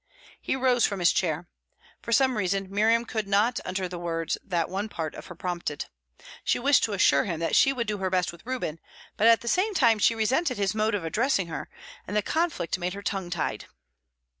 He rose from his chair. For some reason, Miriam could not utter the words that one part of her prompted. She wished to assure him that she would do her best with Reuben, but at the same time she resented his mode of addressing her, and the conflict made her tongue tied.